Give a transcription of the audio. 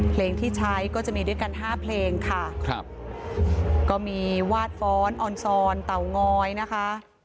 เพลงที่ใช้ก็จะมีด้วยกันห้าเพลงค่ะครับก็มีวาดฟ้อนออนซอนเต่างอยนะคะ